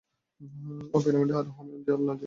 ও পিরামিডে আরোহণের সময় লাল জ্যাকেট পরেছিল।